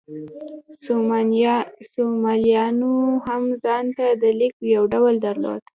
سومالیایانو هم ځان ته د لیک یو ډول درلود.